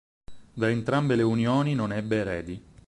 Da entrambe le unioni non ebbe eredi.